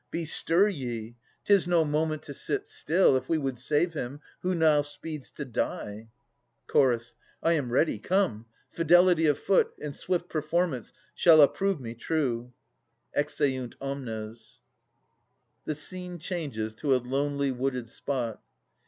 Bestir ye ! 'Tis no moment to sit still, If we would save him who now speeds to die. Ch. I am ready. Come ! Fidelity of foot, And swift performance, shall approve me true. [Exeunt omnes. The scene changes to a lonely wooded spot.